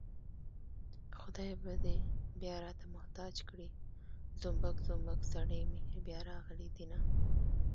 خدای به دې بيا راته محتاج کړي زومبک زومبک څڼې مې بيا راغلي دينه